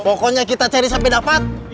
pokoknya kita cari sampai dapat